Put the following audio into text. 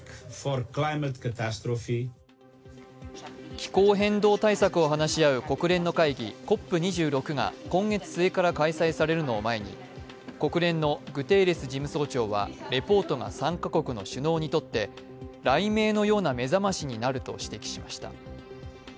気候変動対策を話し合う国連の会議、ＣＯＰ２６が今月末から開催されるのを前に、国連のグテーレス事務総長はレポートが参加国の首脳にとって雷鳴のような目覚ましになると指摘しました。